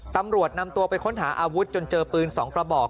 ตำรวจนำตัวไปค้นหาอาวุธจนเจอปืน๒กระบอก